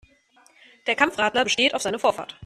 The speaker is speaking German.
Der Kampfradler besteht auf seine Vorfahrt.